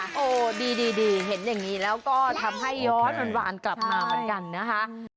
โอ้โหดีเห็นอย่างนี้แล้วก็ทำให้ย้อนหวานกลับมาเหมือนกันนะคะ